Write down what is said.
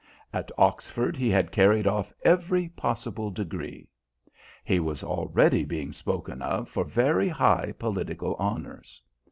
At Oxford he had carried off every possible degree. He was already being spoken of for very high political honours.